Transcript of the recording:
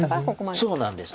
そうなんです。